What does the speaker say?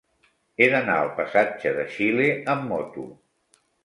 He d'anar al passatge de Xile amb moto.